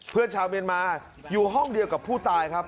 ชาวเมียนมาอยู่ห้องเดียวกับผู้ตายครับ